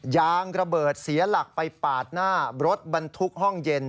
ยางระเบิดเสียหลักไปปาดหน้ารถบรรทุกห้องเย็น